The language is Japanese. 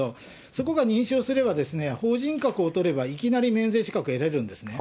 そこが認証すれば、法人格を取れば、いきなり免税資格を得られるんですね。